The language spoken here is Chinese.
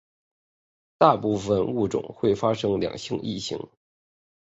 大部份物种会发生两性异形。